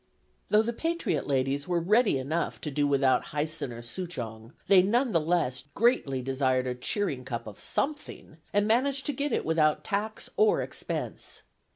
Though the patriot ladies were ready enough to do without Hyson or Souchong they none the less greatly desired a cheering cup of something, and managed to get it without tax or expense.